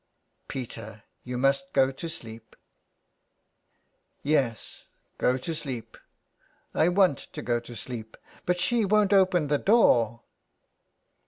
Peter, you must go to sleep." '' Yes, go to sleep. ... I want to go to sleep, but she won't open the door."